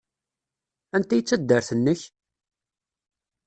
Anta ay d taddart-nnek?